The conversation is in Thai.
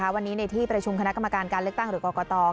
วันนี้ในที่ประชุมคณะกรรมการการเลือกตั้งหรือกรกต